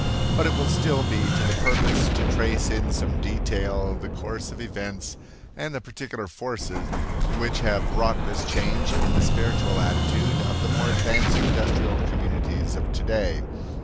But it will still be to the purpose to trace in some detail the course of events and the particular forces which have wrought this change in the spiritual attitude of the more advanced industrial communities of today.